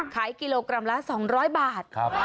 ขายกิโลกรัมละ๒๐๐บาท